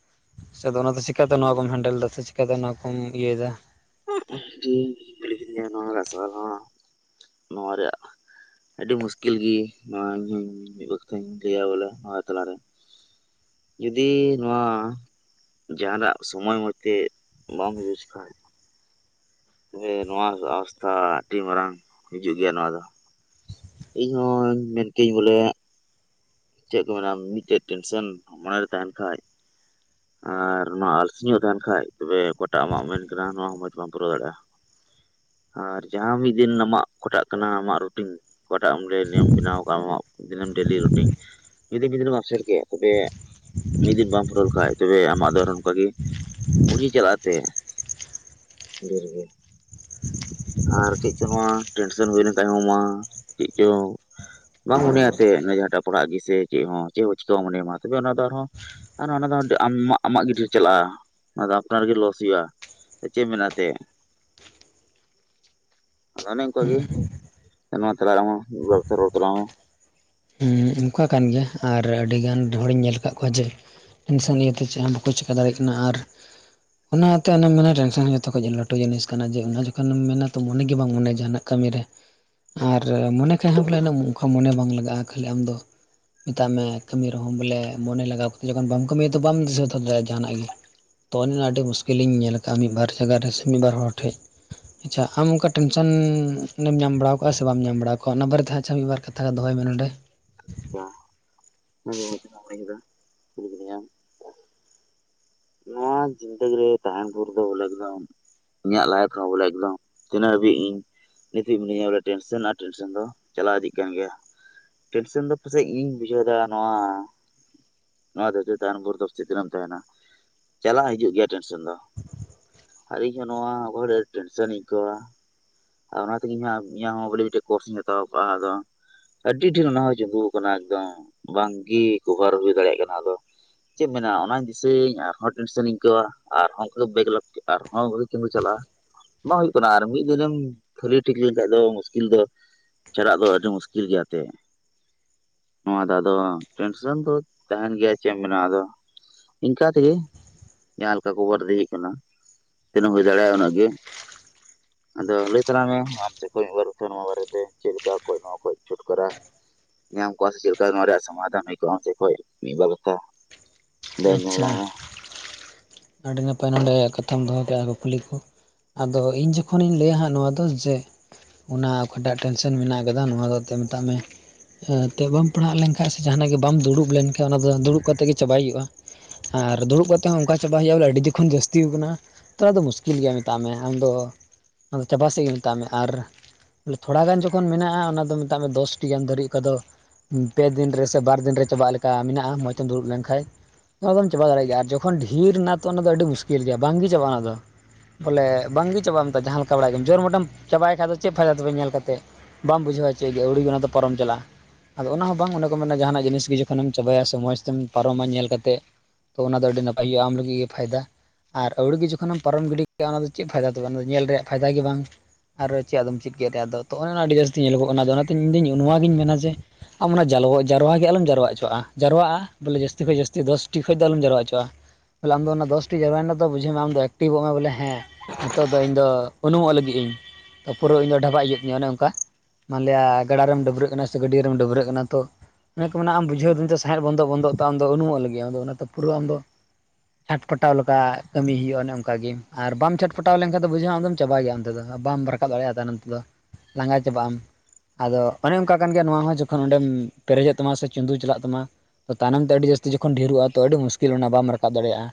ᱥᱮ ᱚᱱᱟ ᱫᱚ ᱪᱮᱠᱟᱛᱮ ᱱᱚᱣᱟ ᱠᱚᱢ ᱦᱮᱱᱰᱮᱞ ᱮᱫᱟ ᱥᱮ ᱪᱮᱠᱟᱛᱮ ᱚᱱᱟ ᱠᱚᱢ ᱤᱭᱟᱹᱭᱮᱫᱟ ᱾ ᱧ ᱨᱥ ᱚᱱᱟ [unintelligible] ᱟᱹᱰᱤ ᱢᱩᱥᱠᱤᱞ ᱜᱮ ᱱᱚᱣᱟ ᱤᱧ ᱦᱚ ᱢᱤᱫ ᱵᱟᱚ ᱠᱟᱛᱷᱟᱧ ᱞᱟᱹᱭᱟ ᱵᱚᱞᱮ ᱱᱚᱣᱟ ᱛᱟᱞᱟᱨᱮᱼᱼ ᱡᱩᱫᱤ ᱱᱚᱣᱟ ᱡᱟᱦᱟᱸᱱᱟᱜ ᱥᱳᱢᱚᱭ ᱢᱚᱛᱮ ᱵᱟᱢ ᱤᱭᱩᱡᱽ ᱠᱷᱟᱱ ᱡᱮ, ᱱᱚᱶᱟ ᱟᱵᱚᱥᱛᱷᱟ ᱟᱹᱰᱤ ᱢᱟᱨᱟᱝ ᱦᱤᱡᱩᱜ ᱜᱮᱭᱟ ᱱᱚᱣᱟ ᱫᱚ᱾ ᱤᱧᱦᱚ ᱢᱮᱱᱠᱟᱹᱧ ᱵᱚᱞᱮ ᱪᱮᱫ ᱠᱚ ᱢᱮᱱᱟ ᱢᱤᱫᱴᱮᱡ ᱴᱮᱱᱥᱮᱱ, ᱢᱚᱱᱮ ᱨᱮ ᱛᱟᱦᱮᱸᱱ ᱠᱷᱟᱡ ᱟᱨ ᱱᱚᱶᱟ ᱟᱞᱥᱤ ᱧᱚᱜ ᱛᱟᱦᱮᱱ ᱠᱷᱟᱡ ᱛᱚᱵᱮ ᱚᱠᱟᱴᱟᱜ ᱟᱢᱟᱜ ᱢᱮᱱ ᱠᱟᱱᱟ, ᱱᱚᱶᱟ ᱦᱚ ᱢᱚᱸᱡᱽ ᱵᱟᱢ ᱯᱩᱨᱟᱹᱣ ᱫᱟᱲᱮᱭᱟᱜᱼᱟ᱾ ᱟᱨ ᱡᱟᱦᱟᱸ ᱢᱤᱫ ᱫᱤᱱ ᱟᱢᱟᱜ ᱚᱠᱟᱴᱟᱜ ᱠᱟᱱᱟ ᱟᱢᱟᱜ ᱨᱩᱴᱤᱱ, ᱚᱠᱟᱴᱟᱜ ᱮᱢ ᱞᱟᱹᱭ ᱱᱤᱭᱚᱢ ᱵᱮᱱᱟᱣ ᱠᱟᱜᱼᱟ ᱟᱢᱟᱜ᱾ ᱢᱤᱫ ᱫᱤᱱᱮᱢ ᱰᱮᱞᱤ ᱨᱩᱴᱤᱱ, ᱢᱤᱫ ᱫᱤᱱ, ᱢᱤᱫ ᱫᱤᱱ ᱟᱥᱮᱨ ᱠᱮᱜ ᱛᱚᱵᱮ ᱢᱤᱫ ᱫᱤᱱ ᱵᱟᱢ ᱯᱷᱩᱨᱟᱹᱞ ᱠᱷᱟᱱᱡ ᱛᱚᱵᱮ ᱟᱢᱟᱜ ᱫᱚ ᱚᱱᱠᱟᱜ ᱜᱮ ᱯᱩᱡᱤ ᱪᱟᱞᱟᱜ ᱛᱮ ᱰᱮᱨᱜᱮ ᱟᱨ ᱪᱮᱫ ᱪᱚ ᱱᱚᱶᱟ ᱴᱮᱱᱥᱚᱱ ᱦᱩᱭ ᱞᱮᱱᱠᱷᱟᱱ ᱦᱚᱸ ᱢᱟ, ᱪᱮᱫ ᱪᱚᱝ? ᱵᱟᱝ ᱢᱚᱱᱮᱭᱟᱛᱮ, ᱡᱟᱦᱟᱸᱴᱟᱜ ᱯᱟᱲᱦᱟᱜ ᱜᱮ ᱥᱮ, ᱪᱮᱫ ᱦᱚᱸ ᱪᱮᱫ ᱪᱮᱠᱟᱢ ᱢᱚᱱᱮᱭᱟᱢ ᱢᱟ ᱛᱚᱵᱮ ᱚᱱᱟ ᱟᱨᱦᱚᱸ ᱟᱨ ᱚᱱᱟ ᱫᱚ ᱟᱢ, ᱟᱢᱟᱜ ᱜᱮ ᱰᱷᱮᱨ ᱪᱟᱞᱟᱜᱼᱟ, ᱚᱱᱟ ᱫᱚ ᱟᱯᱱᱟᱨᱜᱮ ᱞᱚᱥ ᱦᱩᱭᱩᱜᱼᱟ᱾ ᱪᱮᱜ ᱢᱮᱱᱟᱜ ᱛᱮ ᱟᱫᱚ ᱚᱱᱮ ᱚᱱᱠᱟᱜ ᱜᱮ, ᱱᱚᱶᱟ ᱛᱟᱞᱟᱨᱮ ᱟᱢ ᱦᱚ, ᱦᱚ ᱢᱤᱫ ᱵᱟᱨ ᱠᱟᱛᱷᱟ ᱨᱚᱲ ᱛᱟᱞᱟᱝ ᱢᱮ? ᱦᱮᱸ ᱚᱱᱠᱟ ᱠᱟᱱ ᱜᱮᱭᱟ, ᱟᱨ ᱟᱹᱰᱤ ᱜᱟᱱ ᱰᱷᱚᱲᱤᱧ ᱧᱮᱞ ᱠᱟᱜ ᱠᱚᱣᱟ ᱡᱮ ᱤᱱᱥᱟᱱ ᱤᱭᱟᱹ ᱛᱮ ᱪᱮᱫ ᱦᱚᱸ, ᱵᱟᱠᱚ ᱪᱮᱠᱟ ᱫᱟᱲᱮᱜ ᱠᱟᱱᱟ ᱟᱨ ᱚᱱᱟᱛᱮ ᱚᱱᱮᱢ ᱢᱮᱱᱟ ᱴᱮᱱᱥᱮᱱ ᱦᱚ, ᱡᱚᱛᱚᱠᱷᱚᱡ ᱞᱟᱹᱴᱩ ᱡᱤᱱᱤᱥ ᱠᱟᱱᱟ᱾ ᱡᱮ ᱚᱱᱟ ᱡᱚᱠᱷᱚᱱᱮᱢ ᱢᱮᱱᱟ ᱛᱚ ᱢᱚᱱᱮ ᱜᱮ ᱵᱟᱝ ᱢᱚᱱᱮᱭᱟ ᱡᱟᱦᱟᱱᱟᱜ᱾ ᱠᱟᱹᱢᱤᱨᱮ, ᱟᱨ ᱢᱚᱱᱮ ᱠᱷᱟᱡ ᱦᱚᱸ ᱵᱚᱞᱮ ᱩᱱᱟᱜ ᱠᱷᱚᱱ ᱢᱚᱱᱮ ᱵᱟᱝ ᱞᱟᱜᱟᱜᱼᱟ᱾ ᱠᱷᱟᱹᱞᱤ ᱟᱢᱫᱚ ᱢᱮᱛᱟᱜ ᱢᱮ ᱠᱟᱹᱢᱤ ᱨᱮᱦᱚᱸ ᱵᱚᱞᱮ ᱢᱚᱱᱮ ᱞᱟᱜᱟᱣ ᱠᱟᱛᱮ ᱡᱚᱠᱷᱚᱱ ᱵᱟᱢ ᱠᱟᱹᱢᱤᱭᱟ ᱛᱚ ᱵᱟᱢ ᱫᱤᱥᱟᱹ ᱫᱚᱦᱚ ᱫᱟᱲᱮᱭᱟᱜᱼᱟ ᱡᱟᱦᱟᱱᱟᱜ ᱜᱮ᱾ ᱛᱚ ᱚᱱᱟ ᱟᱹᱰᱤ ᱢᱩᱥᱠᱤᱞᱤᱧ ᱧᱮᱞ ᱟᱠᱟᱜᱼᱟ, ᱢᱤᱫ ᱵᱟᱨ ᱡᱟᱭᱜᱟ ᱨᱮ ᱥᱮ ᱢᱤᱫ ᱵᱟᱨ ᱦᱚᱲ ᱴᱷᱮᱡ᱾ ᱟᱪᱪᱷᱟ, ᱟᱢ ᱚᱱᱠᱟ ᱴᱮᱱᱥᱮᱱ ᱱᱮᱢ ᱧᱟᱢ ᱵᱟᱲᱟᱣ ᱠᱚᱜᱼᱟ ᱥᱮ ᱵᱟᱢ ᱧᱟᱢ ᱵᱟᱲᱟᱣ ᱠᱚᱣᱟ, ᱚᱱᱟ ᱵᱟᱨᱮᱛᱮ ᱦᱟᱸᱜ ᱟᱪᱪᱷᱟ ᱢᱤᱫ ᱵᱟᱨ ᱠᱟᱛᱷᱟ ᱫᱚᱦᱚᱭ ᱢᱮ ᱱᱚᱸᱰᱮ? ᱟᱪᱷᱟ ᱠᱮᱫᱟ ᱠᱩᱞᱟᱢ [inaudible] [unintelligible] ᱱᱚᱣᱟ ᱡᱤᱱᱫᱟᱹᱜᱤ ᱨᱮ, ᱛᱟᱦᱮᱸᱱ ᱵᱷᱳᱨ ᱫᱚ ᱵᱚᱞᱮ ᱮᱠᱫᱚᱢ ᱤᱧᱟᱹᱜ ᱞᱟᱭᱤᱯᱷ ᱨᱮᱦᱚᱸ ᱵᱚᱞᱮ ᱮᱠᱫᱚᱢ, ᱛᱤᱱᱟᱹᱜ ᱦᱟᱹᱵᱤᱡ ᱤᱧ ᱱᱤᱛ ᱤᱡ ᱢᱤᱱᱟᱹᱧᱟ ᱵᱚᱞᱮ ᱴᱮᱱᱥᱮᱱ ᱟᱨ ᱴᱮᱱᱥᱮᱱ ᱫᱚ, ᱪᱟᱞᱟᱣ ᱤᱫᱤ ᱠᱟᱱ ᱜᱮᱭᱟ᱾ ᱴᱮᱱᱥᱮᱱ ᱫᱚ ᱯᱟᱥᱮᱡ ᱤᱧ ᱵᱩᱡᱷᱟᱹᱣ ᱫᱟ ᱱᱚᱣᱟ ᱱᱚᱣᱟ ᱫᱦᱟᱹᱨᱛᱤ ᱨᱮ ᱛᱟᱦᱮᱸᱱ ᱵᱷᱳᱨ ᱫᱚ ᱪᱮᱫ ᱨᱮᱢ ᱛᱟᱦᱮᱱᱟ᱾ ᱪᱟᱞᱟᱜ ᱦᱤᱡᱩᱜ ᱜᱮᱭᱟ ᱴᱮᱱᱥᱮᱱ ᱫᱚ, ᱟᱨ ᱤᱧᱦ ᱦᱚᱸ ᱱᱚᱶᱟ, ᱟᱵᱟᱨ ᱴᱮᱱᱥᱮᱱᱤᱧ ᱟᱹᱭᱠᱟᱹᱣ-ᱟ᱾ ᱟᱨ ᱚᱱᱟ ᱛᱮᱜᱮ ᱤᱧᱟᱹᱜ ᱦᱚᱸ ᱵᱚᱞᱮ ᱢᱤᱫᱴᱮᱡ ᱠᱳᱨᱥᱮᱱ ᱮᱛᱚᱦᱚᱵᱚᱜᱼᱟ ᱟᱫᱚ᱾ ᱟᱹᱰᱤ ᱰᱷᱮᱨ ᱚᱱᱟ ᱦᱚ ᱡᱩᱵᱩ ᱠᱟᱱᱟ ᱮᱠᱫᱚᱢ, ᱵᱟᱝᱜᱤ ᱠᱚᱵᱷᱟᱨ ᱦᱩᱭ ᱫᱟᱲᱮᱭᱟᱜ ᱠᱟᱱᱟ ᱟᱫᱚ ᱪᱮᱫ ᱢᱮᱱᱟᱜᱼᱟ ᱚᱱᱟᱧ ᱫᱤᱥᱟᱹᱭᱟᱹᱧ ᱟᱨᱦᱚᱸ ᱴᱮᱱᱥᱮᱱᱤᱧ ᱟᱹᱭᱠᱟᱹᱣᱟ, ᱟᱨᱦᱚᱸ ᱚᱱᱠᱟ ᱜᱮ ᱵᱮᱜᱞᱚᱠ ᱟᱨᱦᱚᱸ ᱜᱷᱩᱨᱮ ᱛᱤᱧ ᱪᱟᱞᱟᱜᱼᱟ᱾ ᱵᱟᱝ ᱦᱩᱭᱩᱜ ᱠᱟᱱᱟ ᱟᱨ ᱢᱤᱫ ᱫᱤᱱᱮᱢ ᱠᱷᱟᱹᱞᱤ ᱴᱷᱤᱠ ᱞᱮᱱᱠᱷᱟᱱᱡ ᱫᱚ, ᱢᱩᱥᱠᱤᱞ ᱫᱚ ᱪᱟᱞᱟᱜ ᱫᱚ ᱟᱹᱰᱤ ᱢᱩᱥᱠᱤᱞ ᱜᱮᱭᱟ ᱟᱛᱮ ᱱᱚᱶᱟ ᱫᱟ ᱟᱫᱚ, ᱴᱮᱱᱥᱚᱱ ᱫᱚ ᱛᱟᱦᱮᱸᱱ ᱜᱮᱭᱟ ᱪᱮᱫ ᱮᱢ ᱢᱮᱱᱟ ᱟᱫᱚ ᱤᱱᱠᱟ ᱛᱮᱜᱮ, ᱡᱟᱦᱟᱸ ᱞᱮᱠᱟ ᱠᱚᱵᱟᱨ ᱤᱫᱤ ᱦᱩᱭᱩᱜ ᱠᱟᱱᱟ᱾ ᱛᱤᱱᱟᱹᱜ ᱦᱩᱭ ᱫᱟᱲᱮᱭᱟᱜᱼᱟ ᱩᱱᱟᱹᱜ ᱜᱮ, ᱟᱫᱚ ᱞᱟᱹᱭ ᱛᱟᱨᱟ ᱢᱮ ᱟᱢ ᱥᱮᱫ ᱠᱷᱚᱡ ᱢᱤᱫ ᱵᱟᱨ ᱠᱟᱛᱦᱟ ᱱᱚᱣᱟ ᱵᱟᱨᱮᱛᱮ, ᱪᱮᱫ ᱞᱮᱠᱟ ᱠᱚᱡ ᱱᱚᱣᱟ ᱠᱚᱡ ᱪᱷᱩᱴᱠᱟᱹᱨᱟ ᱧᱟᱢ ᱠᱚᱜ-ᱟ ᱥᱮ ᱪᱮᱫ ᱞᱮᱠᱟ ᱱᱚᱣᱟ ᱨᱮᱭᱟᱜ ᱥᱚᱢᱟᱫᱷᱟᱱ ᱦᱩᱭ ᱠᱚᱜᱼᱟ, ᱟᱢ ᱥᱮᱡ ᱠᱷᱚᱡ ᱢᱤᱫ ᱵᱟᱨ ᱠᱟᱛᱷᱟ? ᱞᱟᱹᱭ ᱟᱸᱡᱚᱢ ᱟᱪᱪᱷᱟ, ᱟᱞᱟᱝ ᱢᱮ ᱟᱹᱰᱤ ᱱᱟᱯᱟᱭ ᱱᱚᱰᱮ ᱠᱟᱛᱷᱟᱢ ᱫᱚᱦᱚ ᱠᱮᱜᱼᱟ ᱜᱩᱯᱞᱤ ᱠᱚ᱾ ᱟᱫᱚ ᱤᱧ ᱡᱚᱠᱷᱚᱱᱤᱧ ᱞᱟᱹᱭᱟ ᱦᱟᱸᱜ ᱱᱚᱣᱟ ᱫᱚ ᱡᱮ ᱚᱱᱟ ᱚᱠᱟᱴᱟᱜ ᱴᱮᱱᱥᱮᱱ ᱢᱮᱱᱟᱜ ᱠᱟᱫᱟ ᱱᱚᱣᱟ ᱫᱚ ᱛᱮᱱ ᱢᱮᱛᱟᱜ ᱢᱮ ᱮᱱᱛᱮᱫ ᱵᱟᱢ ᱯᱟᱲᱦᱟᱜ ᱞᱮᱱᱠᱷᱟᱡ ᱥᱮ, ᱡᱟᱦᱟᱸᱱᱟᱜ ᱜᱮ ᱵᱟᱢ ᱫᱩᱲᱩᱵ ᱞᱮᱱᱠᱷᱟᱱ, ᱚᱱᱟ ᱫᱚ ᱫᱩᱲᱩᱵ ᱠᱟᱛᱮ ᱜᱮ ᱪᱟᱵᱟᱭ ᱦᱩᱭᱩᱜᱼᱟ᱾ ᱟᱨ ᱫᱩᱲᱩᱵ ᱠᱟᱛᱮᱫ ᱦᱚᱸ ᱚᱱᱠᱟ ᱪᱟᱵᱟ ᱦᱩᱭᱩᱜᱼᱟ, ᱵᱚᱞᱮ ᱟᱹᱰᱤ ᱫᱤ ᱠᱷᱚᱱ ᱡᱟᱹᱥᱛᱤ ᱠᱟᱱᱟ ᱛᱷᱚᱲᱟ ᱫᱚ ᱢᱩᱥᱠᱤᱞ ᱜᱮᱭᱟ, ᱢᱮᱛᱟᱜ ᱢᱮ ᱟᱢᱫᱚ, ᱟᱫᱚ ᱪᱟᱵᱟ ᱥᱮᱫ ᱜᱮ ᱢᱮᱛᱟᱜ ᱢᱮ ᱟᱨ ᱞᱮ ᱛᱷᱚᱲᱟ ᱜᱟᱱ ᱡᱚᱠᱷᱚᱱ ᱢᱮᱱᱟᱜᱼᱟ, ᱚᱱᱟ ᱫᱚ ᱢᱮᱛᱟᱜ ᱢᱮ ᱫᱚᱥᱴᱤ ᱜᱟᱱ ᱫᱟᱹᱨᱤᱡ ᱚᱠᱟ ᱫᱚ ᱦᱩᱸ, ᱯᱮ ᱫᱤᱱ ᱨᱮ ᱥᱮ, ᱵᱟᱨ ᱫᱤᱱ ᱨᱮ ᱪᱟᱵᱟᱜ ᱞᱮᱠᱟ ᱢᱮᱱᱟᱜᱼᱟ, ᱢᱚᱸᱪ ᱛᱮᱢ ᱫᱩᱲᱩᱵ ᱞᱮᱱᱠᱟᱡ ᱚᱱᱟᱫᱚᱢ ᱪᱟᱵᱟ ᱫᱟᱲᱮᱭᱟᱜ ᱜᱮᱭᱟ, ᱟᱨ ᱡᱚᱠᱷᱚᱱ ᱰᱷᱮᱨ ᱱᱟ ᱛᱚ ᱚᱱᱟᱫᱚ ᱟᱹᱰᱤ ᱢᱩᱥᱠᱤᱞ ᱜᱮᱭᱟ ᱵᱟᱝᱜᱮ ᱪᱟᱵᱟᱜᱼᱟ ᱚᱱᱟ ᱫᱚ᱾ ᱵᱚᱞᱮ ᱵᱟᱝᱜᱮ ᱪᱟᱵᱟᱜᱼᱟ ᱢᱮᱛᱟ, ᱡᱟᱦᱟᱸ ᱞᱮᱠᱟ ᱵᱟᱲᱟᱭ ᱜᱮᱢ, ᱡᱳᱨ ᱢᱚᱴᱮᱢ ᱪᱟᱵᱟᱭ ᱠᱷᱟᱡ ᱫᱚ ᱪᱮᱫ ᱯᱷᱟᱭᱫᱟ ᱛᱚᱵᱮ ᱧᱮᱞ ᱠᱟᱛᱮ᱾ ᱵᱟᱢ ᱵᱩᱡᱷᱟᱹᱣᱟ ᱪᱮᱫ ᱜᱮ, ᱟᱹᱣᱲᱤ ᱜᱮ ᱚᱱᱟ ᱫᱚ ᱯᱚᱨᱚᱢ ᱪᱟᱞᱟᱜᱼᱟ᱾ ᱟᱫᱚ ᱚᱱᱟ ᱦᱚᱸ ᱵᱟᱝ ᱚᱱᱮ ᱠᱚ ᱢᱮᱱᱟ ᱡᱟᱦᱟᱱᱟᱜ ᱡᱤᱱᱤᱥ ᱜᱮ ᱡᱚᱠᱷᱚᱱᱮᱢ ᱪᱟᱵᱟᱭᱟ, ᱥᱮ ᱢᱚᱡᱽ ᱛᱮᱢ ᱯᱟᱨᱚᱢᱟ ᱧᱮᱞ ᱠᱟᱛᱮ᱾ ᱛᱚ ᱚᱱᱟᱫᱚ ᱟᱹᱰᱤ ᱱᱟᱯᱟᱭ ᱦᱳᱭᱳᱜᱼᱟ᱾ ᱟᱢ ᱞᱟᱹᱜᱤᱫ ᱜᱮ ᱯᱷᱟᱭᱫᱟ᱾ ᱟᱨ ᱟᱹᱣᱲᱤ ᱜᱮ ᱡᱚᱠᱷᱚᱱᱮᱢ ᱯᱟᱨᱚᱢ ᱜᱤᱰᱤ ᱠᱟᱼᱟ ᱚᱱᱟ ᱫᱚ ᱪᱮᱫ ᱯᱷᱟᱭᱫᱟ ᱛᱟᱵᱮ ᱚᱱᱟ ᱫᱚ ᱧᱮᱞ ᱨᱮᱭᱟᱜ ᱯᱷᱟᱭᱫᱟ ᱜᱮ ᱵᱟᱝ᱾ ᱟᱨ ᱪᱮᱫ ᱟᱫᱚᱢ ᱪᱤᱫ ᱠᱮᱫᱮ ᱛᱮ ᱟᱫᱚ ᱛᱚ ᱱᱚᱜ-ᱚᱭ ᱚᱱᱟ ᱟᱹᱰᱤ ᱡᱟᱹᱥᱛᱤ ᱧᱮᱞᱚᱜᱚᱜ ᱠᱟᱱᱟ, ᱟᱫᱚ ᱚᱱᱟᱛᱤᱧ ᱤᱧᱫᱩᱧ ᱱᱚᱣᱟᱜᱤᱧ ᱢᱮᱱᱟ ᱡᱮ ᱟᱢ ᱚᱱᱟ ᱡᱟᱞᱣᱟ-ᱡᱟᱨᱣᱟ ᱜᱮ ᱟᱞᱚᱢ ᱡᱟᱨᱚᱣᱟᱜ ᱦᱚᱪᱚᱣᱟᱜᱼᱟ᱾ ᱡᱟᱨᱣᱟᱜᱼᱟ ᱵᱚᱞᱮ ᱡᱟᱹᱥᱛᱤ ᱠᱷᱚᱡ ᱡᱟᱹᱥᱛᱤ ᱫᱚᱥ ᱴᱤ ᱠᱷᱚᱡ ᱫᱚ ᱟᱞᱚᱢ ᱡᱟᱣᱨᱟ ᱪᱚᱣᱟᱜ-ᱟ᱾ ᱵᱚᱞᱮ ᱟᱢ ᱫᱚ ᱚᱱᱟ ᱫᱚᱥᱴᱤ ᱡᱟᱨᱣᱟᱭ ᱱᱟ ᱛᱚ ᱵᱩᱡᱷᱟᱹᱣ ᱢᱮ ᱟᱢ ᱫᱚ ᱮᱠᱴᱤᱵᱚᱜ ᱢᱮ ᱵᱚᱞᱮ ᱦᱮᱸ ᱱᱤᱛᱚᱜ ᱫᱚ ᱤᱧᱫᱚ ᱩᱱᱩᱢᱚᱜ ᱞᱟᱹᱜᱤᱫ ᱤᱧ᱾ ᱛᱚ ᱯᱩᱨᱟᱹ ᱤᱧ ᱫᱚ ᱰᱷᱟᱵᱟᱜ ᱤᱭᱟᱹ ᱛᱤᱧᱟᱹ ᱚᱱᱮ ᱚᱱᱠᱟ᱾ ᱢᱟᱱᱞᱤᱭᱟ ᱜᱟᱰᱟ ᱨᱮᱢ ᱰᱟᱹᱵᱨᱟᱹᱜ ᱠᱟᱱᱟ ᱥᱮ ᱜᱟᱹᱰᱭᱟᱹ ᱨᱮᱢ ᱰᱟᱹᱵᱨᱟᱹᱜ ᱠᱟᱱᱟ᱾ ᱛᱚ ᱚᱱᱮ ᱠᱚ ᱢᱮᱱᱟ ᱟᱢ ᱵᱩᱡᱷᱟᱹᱣ ᱫᱚ ᱥᱟᱣᱦᱮᱫ ᱵᱚᱱᱫᱚ ᱵᱚᱱᱫᱚᱜ ᱛᱟᱢ ᱫᱚ ᱩᱱᱩᱢᱚᱜ ᱞᱟᱹᱜᱤᱫ-ᱟ ᱟᱫᱚ ᱚᱱᱟ ᱛᱮ ᱯᱩᱨᱟᱹ ᱟᱢᱫᱚ ᱪᱷᱟᱴᱯᱟᱴᱟᱣ ᱞᱮᱠᱟ ᱠᱟᱹᱢᱤ ᱦᱩᱭᱩᱜᱼᱟ ᱚᱱᱮ ᱚᱱᱠᱟ ᱜᱮ᱾ ᱟᱨ ᱵᱟᱢ ᱪᱷᱟᱴᱯᱟᱴᱟᱣ ᱞᱮᱱᱠᱷᱟᱡ ᱫᱚ ᱵᱩᱡᱷᱟᱹᱣᱚᱜ ᱟᱢᱫᱚᱢ ᱪᱟᱵᱟᱭ ᱜᱮᱭᱟ᱾ ᱱᱚᱛᱮ ᱫᱚ ᱦᱟᱸᱜ ᱵᱟᱢ ᱨᱟᱠᱟᱵ ᱫᱟᱲᱮᱭᱟᱫᱟ ᱛᱟᱭᱱᱚᱢ ᱛᱮ ᱫᱚ ᱞᱟᱸᱜᱟ ᱪᱟᱵᱟᱜ ᱟᱢ᱾ ᱟᱫᱚ ᱚᱱᱮ ᱚᱱᱠᱟ ᱠᱟᱱ ᱜᱮᱭᱟ ᱱᱚᱣᱟ ᱦᱚᱸ ᱡᱚᱠᱷᱚᱱ ᱚᱸᱰᱮᱢ ᱯᱮᱨᱮᱡᱚᱜ ᱛᱟᱢᱟ ᱥᱮ ᱪᱩᱸᱫᱩ ᱪᱟᱞᱟᱜ ᱛᱟᱢᱟ ᱛᱟᱭᱱᱚᱢ ᱛᱮ ᱟᱹᱰᱤ ᱡᱟᱹᱥᱛᱤ ᱡᱚᱠᱷᱚᱱ ᱰᱷᱮᱨᱚᱜᱼᱟ ᱛᱚ ᱟᱹᱰᱤ ᱢᱩᱥᱠᱤᱞ ᱚᱱᱟ ᱵᱟᱢ ᱨᱟᱠᱟᱵ ᱫᱟᱲᱮᱭᱟᱜᱼᱟ᱾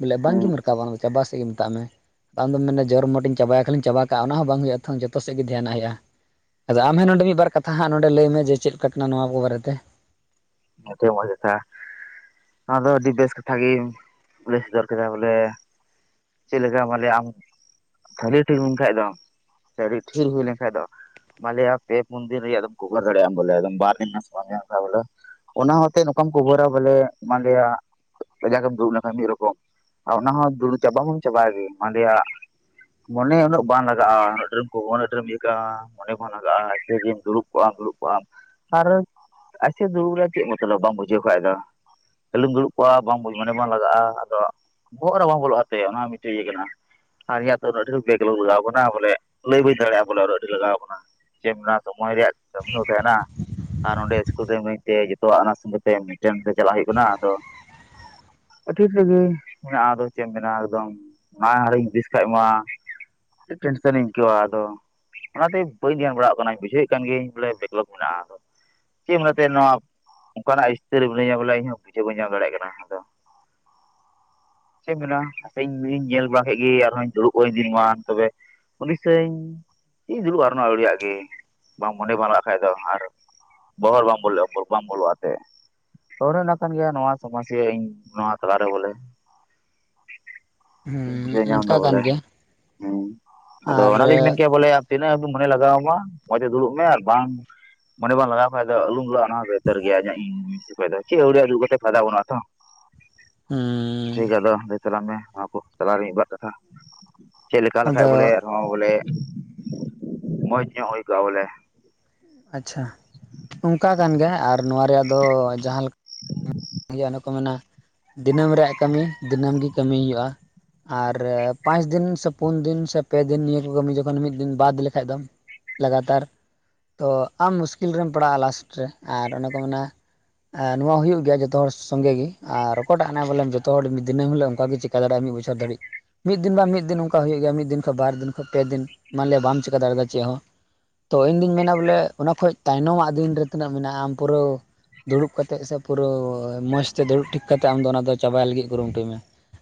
ᱵᱚᱞᱮ ᱦᱩᱸ ᱵᱟᱝᱜᱤᱢ ᱨᱟᱠᱟᱵᱟ ᱚᱱᱟ ᱫᱚ ᱪᱟᱵᱟ ᱥᱮᱜ ᱜᱮ ᱢᱮᱛᱟᱜ ᱢᱮ᱾ ᱟᱢ ᱫᱚᱢ ᱢᱮᱱᱟ ᱡᱚᱨ ᱢᱚᱴᱤᱧ ᱪᱟᱵᱟᱭᱟ, ᱠᱷᱟᱞᱹᱤᱧ ᱪᱟᱵᱟ ᱠᱟᱜᱼᱟ᱾ ᱚᱱᱟ ᱦᱚᱸ ᱵᱟᱝ ᱦᱩᱭᱩᱜᱼᱟ ᱛᱚ ᱡᱚᱛᱚ ᱥᱮᱫ ᱜᱮ ᱫᱷᱭᱟᱱᱟᱜ ᱦᱳᱭᱳᱜᱼᱟ᱾ ᱟᱫᱚ ᱟᱢ ᱦᱮᱸ ᱱᱚᱰᱮ ᱢᱤᱫ ᱵᱟᱨ ᱠᱟᱛᱷᱟ ᱦᱟᱸᱜ ᱱᱚᱸᱰᱮ ᱞᱟᱹᱭ ᱢᱮ, ᱡᱮ ᱪᱮᱫᱠᱟ ᱠᱟᱱᱟ ᱱᱚᱣᱟ ᱠᱚ ᱵᱟᱨᱮ ᱛᱮ᱾ [unintelligible] ᱱᱚᱣᱟᱫᱚ ᱟᱹᱰᱤ ᱵᱮᱥ ᱠᱟᱛᱷᱟ ᱜᱮ ᱞᱟᱹᱭ ᱥᱚᱫᱚᱨ ᱠᱮᱫᱟ ᱵᱚᱞᱮ [unintelligible] ᱥᱮ ᱟᱹᱰᱤ ᱴᱷᱤᱠ ᱦᱩᱭ ᱞᱮᱱᱠᱷᱟᱡ ᱫᱚ ᱢᱟᱞᱮ ᱯᱮ ᱯᱩᱱ ᱫᱤᱱ ᱨᱮᱭᱟᱜ ᱫᱚ ᱠᱚᱵᱷᱟᱨ ᱫᱟᱲᱮᱭᱟᱜ-ᱟᱢ ᱵᱚᱞᱮᱫᱚᱢ ᱵᱟᱨ ᱫᱤᱱ [unintelligible] ᱵᱚᱞᱮ ᱚᱱᱟ ᱦᱚᱛᱮ ᱱᱚᱝᱠᱟᱢ ᱠᱷᱚᱵᱟᱨᱟ ᱵᱚᱞᱮ ᱢᱟᱞᱮᱭᱟ ᱠᱟᱡᱟᱠᱮᱢ ᱫᱩᱲᱩᱵ ᱞᱮᱱᱠᱷᱟᱱ ᱢᱤᱫ ᱨᱚᱠᱚᱢ, ᱟᱨ ᱚᱱᱟ ᱦᱚᱸ ᱫᱩᱲᱩᱵ ᱪᱟᱵᱟᱵᱚᱱ ᱪᱟᱵᱟᱭᱮ ᱢᱟᱱᱞᱤᱭᱟ ᱢᱚᱱᱮ ᱩᱱᱟᱹᱜ ᱵᱟᱝ ᱞᱟᱜᱟᱜᱼᱟ ᱰᱨᱤᱢ ᱠᱚ ᱩᱱᱟᱹ ᱰᱨᱤᱢ ᱤᱭᱟᱹ ᱠᱟᱜ-ᱟ᱾ ᱠᱷᱚᱱ ᱞᱟᱜᱟᱜᱼᱟ ᱟᱪᱪᱷᱟ ᱴᱷᱤᱠ ᱫᱩᱲᱩᱵ ᱠᱚᱜ ᱟᱢ ᱫᱩᱲᱩᱵ ᱠᱚᱜ ᱟᱢ ᱟᱨ ᱟᱥᱮ ᱫᱩᱲᱩᱵ ᱨᱮ [unintelligible] ᱪᱮᱫ ᱢᱚᱛᱚᱞᱚᱵ ᱵᱟᱢ ᱵᱩᱡᱷᱟᱹᱣ ᱠᱷᱟᱱ ᱫᱚ ᱠᱷᱟᱹᱞᱤᱢ ᱫᱩᱲᱩᱵ ᱠᱚᱜᱼᱟ ᱵᱟᱝ ᱢᱚᱱᱮ ᱵᱟᱝ ᱞᱟᱜᱟᱜᱼᱟ ᱟᱫᱚ ᱵᱚᱦᱚᱜ ᱨᱮ ᱵᱟᱝ ᱵᱚᱞᱚᱜᱟ ᱛᱚᱭᱟ ᱚᱱᱟ ᱢᱤᱫᱴᱮᱱ ᱤᱭᱟᱹ ᱠᱟᱱᱟ, ᱟᱨ ᱤᱧᱟᱜ ᱫᱚ ᱩᱱᱟᱹᱜ ᱰᱷᱮᱨ ᱵᱮᱜᱽ ᱞᱟᱜᱟᱣ ᱠᱟᱱᱟ ᱵᱚᱞᱮ ᱞᱟᱹᱭ ᱵᱟᱹᱧ ᱫᱟᱲᱮᱭᱟᱜ ᱵᱚᱞᱮ ᱩᱱᱟᱹᱜ ᱰᱷᱮᱨ ᱞᱟᱜᱟᱣ ᱠᱟᱱᱟ᱾ ᱪᱮᱫ ᱢᱮᱱᱟ ᱥᱚᱢᱚᱭ ᱨᱮᱭᱟᱜ ᱠᱟᱹᱢᱤ ᱫᱚ ᱛᱟᱦᱮᱱᱟ ᱟᱨ ᱱᱚᱸᱰᱮ ᱤᱥᱠᱩᱞ ᱨᱮ ᱤᱢᱱᱤ ᱛᱮ ᱛᱚ ᱚᱱᱟ ᱥᱚᱸᱜᱮ ᱛᱮ ᱢᱤᱫᱴᱮᱱ ᱛᱮ ᱪᱟᱞᱟᱜ ᱦᱩᱭᱩᱜ ᱠᱟᱱᱟ ᱟᱫᱚ ᱟᱹᱰᱤ ᱥᱟᱸᱜᱤᱧ ᱢᱮᱱᱟᱜᱼᱟ ᱟᱫᱚ ᱪᱮᱫ ᱮᱢ ᱢᱮᱱᱟ ᱮᱠᱫᱚᱢ, ᱚᱱᱟ ᱵᱤᱥ ᱠᱷᱟᱡ ᱢᱟ ᱟᱹᱰᱤ ᱴᱮᱱᱥᱚᱱᱤᱧ ᱟᱹᱭᱠᱟᱹᱣᱟ ᱟᱫᱚ [inaudible] ᱚᱱᱟᱛᱮ ᱵᱟᱹᱧ ᱫᱷᱮᱭᱟᱱ ᱵᱟᱲᱟ ᱠᱟᱱᱟ ᱵᱩᱡᱷᱟᱹᱣᱮᱫ ᱠᱟᱱ ᱜᱤᱭᱟᱹᱧ ᱵᱚᱞᱮ ᱵᱮᱠᱞᱚᱠ ᱢᱮᱱᱟᱜᱼᱟ ᱟᱫᱚ ᱪᱮᱫ ᱢᱮᱱᱟᱛᱮ ᱱᱚᱣᱟ ᱚᱱᱠᱟᱱᱟᱜ ᱤᱥᱛᱟᱹᱨ ᱨᱮ ᱢᱤᱱᱟᱹᱧᱟ ᱵᱚᱞᱮ ᱤᱧ ᱦᱚᱸ ᱵᱩᱡᱷᱟᱹᱣ ᱵᱟᱹᱧ ᱧᱟᱢ ᱫᱟᱲᱮᱭᱟᱜ ᱠᱟᱱᱟ ᱟᱫᱚ [inaudible] ᱪᱮᱫ ᱢᱮᱱᱟᱜ-ᱟ ᱦᱟᱯᱮᱤᱧ ᱧᱮᱞ ᱵᱟᱲᱟ ᱠᱮᱫ ᱜᱮ ᱟᱨᱦᱚᱧ ᱫᱩᱲᱩᱵ [unintelligible] ᱢᱟ ᱛᱚᱵᱮ ᱦᱩᱫᱤᱥᱮᱧ ᱪᱮᱫ ᱤᱧ ᱫᱩᱲᱩᱵᱼᱟ ᱱᱚᱣᱟ [inaudible] ᱜᱮ ᱵᱟᱝ ᱢᱚᱱᱮ ᱵᱟᱝ ᱞᱟᱜᱟᱜ ᱠᱷᱟᱡ ᱫᱚ ᱟᱨ ᱵᱚᱦᱚᱨᱮ ᱵᱟᱝ ᱵᱞᱚ ᱵᱟᱝ ᱵᱚᱞᱮᱛᱮ [inaudible] ᱵᱩᱡᱷᱟᱹᱣ ᱦᱮᱸ ᱧᱟᱢᱫᱟ ᱚᱱᱠᱟ ᱠᱟᱱ ᱵᱚᱞᱮ ᱜᱮᱭᱟ ᱟᱫᱚ ᱟᱨ ᱚᱱᱟᱜᱤᱧ ᱢᱮᱱ ᱠᱮᱭᱟ ᱵᱚᱞᱮ ᱛᱤᱱᱟᱹᱜ ᱦᱟᱵᱤᱡ ᱢᱚᱱᱮ ᱞᱟᱜᱟᱣ ᱟᱢᱟ ᱢᱚᱸᱡᱽ ᱛᱮ ᱫᱩᱲᱩᱵ ᱢᱮ ᱟᱨ ᱵᱟᱝ ᱢᱚᱱᱮ ᱵᱟᱝ ᱞᱟᱜᱟᱣ ᱠᱷᱟᱱ ᱫᱚ ᱟᱞᱩᱢ ᱫᱩᱲᱩᱜᱼᱟ ᱚᱱᱟ ᱩᱛᱟᱹᱨ ᱜᱮᱭᱟ ᱤᱧᱟᱜ ᱤᱧ ᱪᱮᱫ [inaudible] ᱟᱹᱣᱨᱤᱭᱟᱹᱭᱟ ᱫᱩᱲᱩᱵ ᱠᱟᱛᱮ ᱯᱷᱟᱭᱫᱟ ᱵᱟᱱᱜ-ᱟ ᱛᱚ ᱴᱷᱤᱠ ᱦᱩᱸ ᱜᱮᱭᱟ ᱛᱚ ᱞᱟᱹᱭ ᱛᱟᱞᱟᱝ ᱢᱮ ᱱᱚᱣᱟ ᱠᱚ ᱛᱟᱞᱟ ᱨᱮ ᱢᱤᱫᱵᱟᱨ ᱠᱟᱛᱷᱟ᱾ ᱪᱮᱫ ᱞᱮᱠᱟ ᱞᱮᱠᱷᱟᱡ ᱟᱫᱚ ᱵᱚᱞᱮ ᱟᱨᱦᱚᱸ ᱵᱚᱞᱮ ᱢᱚᱸᱡᱽ ᱧᱚᱜ ᱦᱩᱭ ᱠᱚᱜᱼᱟ ᱵᱚᱞᱮ, ᱟᱪᱪᱷᱟ ᱚᱱᱠᱟ ᱠᱟᱱ ᱜᱮᱭᱟ ᱟᱨ ᱱᱚᱣᱟ ᱨᱮᱭᱟᱜ ᱫᱚ ᱡᱟᱦᱟᱸ ᱞᱮᱠᱟ ᱚᱱᱟ ᱠᱚ ᱢᱮᱱᱟ ᱫᱤᱱᱟᱹᱢ ᱨᱮᱭᱟᱜ ᱠᱟᱹᱢᱤ ᱫᱤᱱᱟᱹᱢ ᱜᱮ ᱠᱟᱹᱢᱤ ᱦᱩᱭᱩᱜᱼᱟ᱾ ᱟᱨ ᱯᱟᱸᱪ ᱫᱤᱱ ᱥᱮ ᱯᱩᱱ ᱫᱤᱱ ᱥᱮ ᱯᱮ ᱫᱤᱱ ᱱᱤᱭᱟᱹ ᱠᱚ ᱠᱟᱹᱢᱤ ᱡᱚᱠᱷᱚᱱ ᱢᱤᱫ ᱫᱤᱱ ᱵᱟᱫ ᱞᱮᱠᱷᱟᱱ ᱫᱚ ᱞᱟᱜᱟᱛᱟᱨ ᱛᱚ ᱟᱢ ᱢᱩᱥᱠᱤᱞ ᱨᱮᱢ ᱯᱟᱲᱟᱜᱼᱟ ᱞᱟᱥᱴ ᱨᱮ ᱟᱨ ᱚᱱᱮ ᱠᱚ ᱢᱮᱱᱟ ᱱᱚᱣᱟ ᱦᱩᱭᱩᱜ ᱜᱮᱭᱟ ᱡᱚᱛᱚ ᱡᱚᱛᱚ ᱦᱚᱲ ᱥᱚᱸᱜᱮ ᱜᱮ, ᱟᱨ ᱚᱠᱟᱴᱟᱜ ᱦᱟᱱᱟ ᱵᱚᱞᱮ ᱡᱚᱛᱚ ᱦᱚᱲ ᱢᱤᱫ ᱫᱤᱱᱟᱹᱢ ᱦᱤᱞᱟᱹᱜ ᱚᱱᱠᱟᱜᱮ ᱪᱮᱫᱠᱟ ᱫᱟᱲᱮᱼᱟ ᱢᱤᱫ ᱵᱚᱪᱷᱚᱨ ᱫᱷᱟᱹᱨᱤᱡ᱾ ᱢᱤᱫ ᱫᱤᱱ ᱵᱟ ᱢᱤᱫ ᱫᱤᱱ ᱚᱱᱠᱟ ᱦᱩᱭᱩᱜ ᱜᱮᱭᱟ ᱢᱤᱫ ᱫᱤᱱ ᱠᱷᱚᱡ ᱵᱟᱨ ᱫᱤᱱ ᱠᱷᱚᱡ ᱯᱮ ᱫᱤᱱ ᱢᱟᱱᱞᱮ ᱵᱟᱢ ᱪᱤᱠᱟ ᱫᱟᱲᱮᱭᱟᱫᱟ ᱪᱮ ᱦᱚᱸ᱾ ᱛᱚ ᱤᱧ ᱫᱩᱧ ᱢᱮᱱᱟ ᱵᱚᱞᱮ ᱚᱱᱟ ᱠᱷᱚᱡ ᱛᱟᱭᱱᱚᱢᱟᱜ ᱫᱤᱱ ᱨᱮ ᱛᱤᱱᱟᱹᱜ ᱢᱮᱱᱟᱜᱼᱟ ᱟᱢ ᱯᱩᱨᱟᱹ ᱫᱩᱲᱩᱵ ᱠᱟᱛᱮᱫ ᱥᱮ ᱯᱩᱨᱟᱹ ᱢᱚᱸᱡᱽᱛᱮ ᱫᱩᱲᱩᱵ ᱴᱷᱤᱠ ᱠᱟᱛᱮᱫ ᱟᱢᱫᱚ ᱚᱱᱟ ᱪᱟᱵᱟᱭ ᱞᱟᱹᱜᱤᱫ ᱠᱩᱨᱩᱢᱩᱴᱩᱭ ᱢᱮ᱾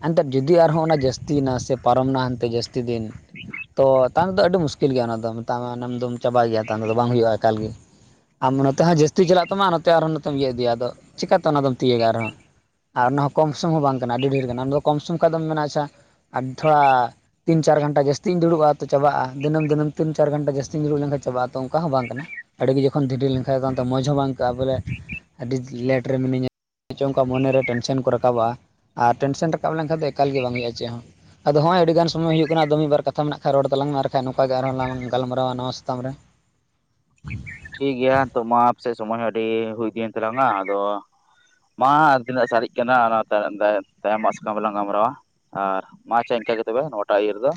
ᱮᱱᱛᱮᱫ ᱡᱩᱫᱤ ᱟᱨᱦᱚᱸ ᱚᱱᱟ ᱡᱟᱹᱥᱛᱤᱭᱱᱟ ᱥᱮ, ᱯᱟᱨᱚᱢᱱᱟ ᱦᱟᱱᱛᱮ ᱡᱟᱹᱥᱛᱤ ᱫᱤᱱ ᱛᱚ ᱛᱟᱭᱚᱢ ᱫᱚ ᱟᱹᱰᱤ ᱢᱩᱥᱠᱤᱞ ᱜᱮᱭᱟ ᱚᱱᱟᱫᱚ ᱢᱮᱛᱟᱜ ᱢᱮ ᱚᱱᱟᱫᱚᱢ, ᱪᱟᱵᱟᱭ ᱜᱮᱭᱟ ᱛᱟᱭᱚᱢ ᱛᱮᱫᱚ ᱵᱟᱝ ᱦᱩᱭᱩᱜᱼᱟ ᱮᱠᱟᱞ ᱜᱮ ᱟᱢ ᱱᱚᱛᱮ ᱦᱚᱸ ᱡᱟᱹᱥᱛᱤ ᱪᱟᱞᱟᱜ ᱛᱟᱢᱟ ᱱᱚᱛᱮ ᱟᱨᱦᱚᱸ, ᱤᱭᱟᱹ ᱤᱫᱤᱭᱟ ᱟᱫᱚ ᱪᱮᱠᱟᱛᱮ ᱚᱱᱟᱫᱚᱢ ᱛᱤᱭᱟᱹᱜᱟ ᱟᱨᱦᱚᱸ, ᱟᱨ ᱚᱱᱟ ᱦᱚᱸ ᱠᱚᱢ ᱥᱚᱢ ᱦᱚᱸ ᱵᱟᱝ ᱠᱟᱱᱟ ᱟᱹᱰᱤ ᱰᱷᱮᱨ ᱠᱟᱱᱟ, ᱚᱱᱟ ᱫᱚ ᱠᱚᱢ ᱥᱚᱢ ᱠᱷᱟᱱ ᱫᱚᱢ ᱢᱮᱱᱟ ᱟᱪᱷᱟ ᱛᱷᱚᱲᱟ, ᱛᱤᱱ ᱪᱟᱨ ᱜᱟᱱᱴᱟ ᱡᱟᱹᱥᱛᱤᱧ ᱫᱩᱲᱩᱵᱼᱟ ᱛᱚ ᱪᱟᱵᱟᱜᱼᱟ ᱫᱤᱱᱟᱹᱢ ᱫᱤᱱᱟᱹᱢ ᱛᱤᱱ ᱪᱟᱨ ᱜᱷᱴᱟ ᱡᱟᱹᱥᱛᱤᱧ ᱫᱩᱲᱩᱵ ᱞᱮᱱᱟᱱ ᱪᱟᱵᱟᱜᱼᱟ ᱛᱚ ᱚᱱᱠᱟ ᱦᱚᱸ ᱵᱟᱝ ᱠᱟᱱᱟ᱾ ᱟᱹᱰᱤᱜᱮ ᱡᱚᱠᱷᱚᱱ ᱫᱷᱤᱨᱤ ᱞᱮᱱᱠᱷᱟᱱ ᱛᱚ ᱢᱚᱸᱡᱽ ᱦᱚᱸ ᱵᱟᱝ ᱟᱹᱭᱠᱟᱹᱜᱼᱟ ᱵᱚᱞᱮ ᱟᱹᱰᱤ ᱞᱮᱴ ᱨᱮ ᱢᱤᱱᱟᱹᱧᱟ᱾ ᱪᱚᱝ ᱚᱱᱠᱟ ᱢᱚᱱᱮᱨᱮ ᱴᱮᱱᱥᱮᱱ ᱠᱚ ᱨᱟᱠᱟᱵᱚᱜᱼᱟ ᱟᱨ ᱴᱮᱱᱥᱮᱱ ᱨᱟᱠᱟᱵ ᱞᱮᱱᱠᱷᱟᱱ ᱫᱚ ᱮᱠᱟᱞ ᱜᱮ ᱵᱟᱝ ᱦᱩᱭᱩᱜᱼᱟ ᱪᱮᱫ ᱦᱚᱸ᱾ ᱟᱫᱚ ᱦᱚᱸᱜ ᱚᱭ ᱟᱹᱰᱤ ᱜᱟᱱ ᱥᱚᱢᱚᱭ ᱦᱩᱭᱩᱜ ᱠᱟᱱᱟ ᱟᱫᱚ ᱢᱤᱫ ᱵᱟᱨ ᱠᱟᱛᱷᱟ ᱢᱮᱱᱟᱜ ᱠᱷᱟᱱ ᱨᱚᱲ ᱛᱟᱞᱟᱝ ᱢᱮ ᱟᱨᱠᱷᱟᱡ ᱱᱚᱝᱠᱟ ᱜᱮ ᱟᱨᱦᱚᱸ ᱞᱟᱝ ᱜᱟᱞᱢᱟᱨᱟᱣᱟ ᱱᱟᱣᱟ ᱥᱟᱛᱟᱢ ᱨᱮ᱾ [unintelligible] ᱴᱷᱤᱠᱜᱮᱭᱟ ᱛᱳ ᱢᱟ ᱟᱯ ᱥᱮ ᱥᱚᱢᱚᱭ ᱦᱚᱸ ᱟᱹᱰᱤ ᱦᱩᱭ ᱤᱫᱤᱭᱮᱱ ᱛᱟᱞᱟᱝᱟ ᱟᱫᱚ, ᱢᱟ ᱟᱨ ᱛᱤᱱᱟᱹᱜ ᱥᱟᱨᱮᱡ ᱠᱟᱱᱟ ᱚᱱᱟ ᱛᱟᱭᱚᱢ ᱛᱟᱭᱚᱢᱟᱜ ᱥᱟᱠᱟᱢ ᱨᱮᱞᱟᱝ ᱜᱟᱞᱢᱟᱨᱟᱣᱟ᱾ ᱟᱨ ᱢᱟ ᱟᱪᱪᱷᱟ ᱤᱱᱠᱟᱹ ᱜᱮ ᱛᱚᱵᱮ ᱱᱚᱣᱟᱴᱟᱜ ᱤᱭᱟᱹ ᱨᱮᱫᱚ,